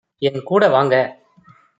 என் கூட வாங்க!